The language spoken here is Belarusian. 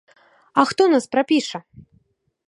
А хто нас прапіша?